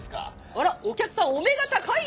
あらお客さんお目が高い！